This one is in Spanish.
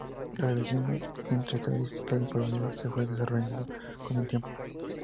La relación entre estadística y probabilidades se fue desarrollando con el tiempo.